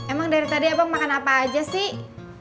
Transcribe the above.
emang dari tadi abang makan apa aja sih